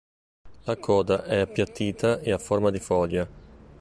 La coda è appiattita e a forma di foglia.